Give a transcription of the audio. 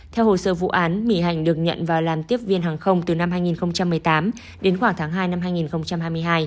theo hồ sơ vụ án mỹ hành được nhận vào làm tiếp viên hàng không từ năm hai nghìn một mươi tám đến khoảng tháng hai năm hai nghìn hai mươi hai